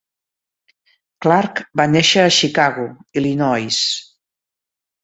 Clark va néixer a Chicago, Illinois.